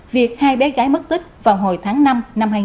việc hai bé gái mất tích vào hồi tháng năm năm hai nghìn một mươi sáu